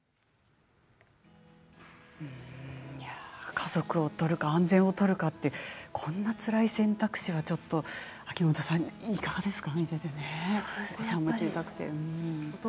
家族を取るか安全を取るかこんなつらい選択肢はちょっと秋元さんいかがですか？